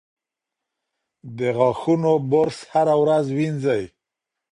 د غاښونو برس هره ورځ وینځئ.